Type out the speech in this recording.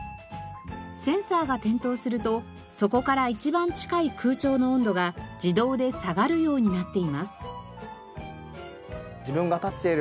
センサーが点灯するとそこから一番近い空調の温度が自動で下がるようになっています。